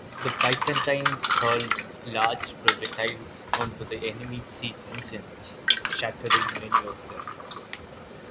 The Byzantines hurled large projectiles onto the enemy siege engines, shattering many of them.